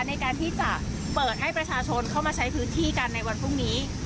ในการที่จะเปิดให้ประชาชนเข้ามาใช้พื้นที่กันในวันพรุ่งนี้